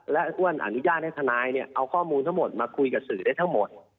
และอ้วนอนุญาตให้ทนายเนี่ยเอาข้อมูลทั้งหมดมาคุยกับสื่อได้ทั้งหมด